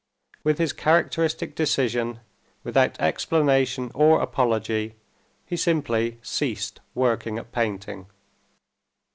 With his characteristic decision, without explanation or apology, he simply ceased working at painting.